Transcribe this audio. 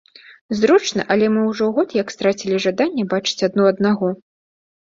Зручна, але мы ўжо год як страцілі жаданне бачыць адно аднаго.